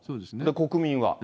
国民は。